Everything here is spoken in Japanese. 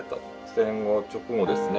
戦後直後ですね。